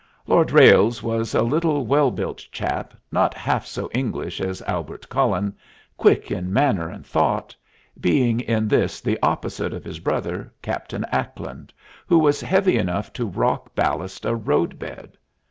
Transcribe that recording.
Lord Ralles was a little, well built chap, not half so English as Albert Cullen, quick in manner and thought, being in this the opposite of his brother Captain Ackland, who was heavy enough to rock ballast a road bed.